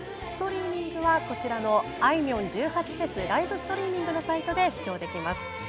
ストリーミングはこちらの「あいみょん１８祭ライブストリーミング」のサイトで視聴できます。